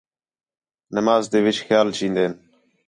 نماز تے وِچ خیال چِین٘دین